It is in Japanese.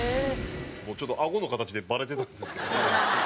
ちょっとあごの形でバレてたんですけど。